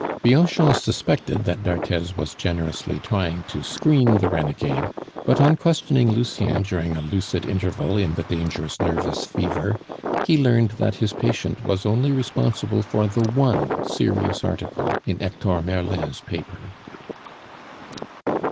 Bianchon suspected that d'Arthez was generously trying to screen the renegade; but on questioning Lucien during a lucid interval in the dangerous nervous fever, he learned that his patient was only responsible for the one serious article in Hector Merlin's paper.